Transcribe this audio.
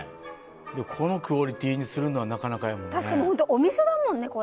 このクオリティーにするにはなかなかだもんね。